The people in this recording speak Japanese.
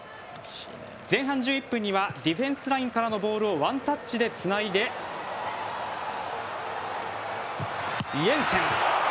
前半１１分にはディフェンスラインからのボールをワンタッチでつないでイェンセン。